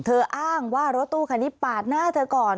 อ้างว่ารถตู้คันนี้ปาดหน้าเธอก่อน